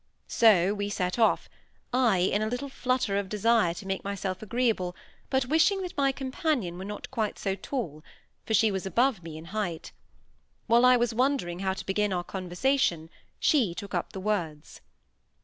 So we set off, I in a little flutter of a desire to make myself agreeable, but wishing that my companion were not quite so tall; for she was above me in height. While I was wondering how to begin our conversation, she took up the words.